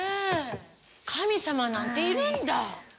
神様なんているんだ。